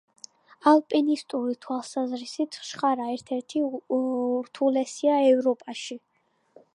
ალპინისტური თვალსაზრისით, შხარა ერთ-ერთი ურთულესია ევროპაში.